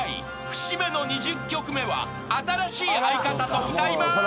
［節目の２０曲目は新しい相方と歌います］